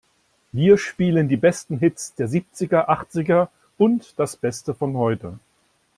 Wir spielen die besten Hits der Siebziger, Achtziger und das Beste von heute!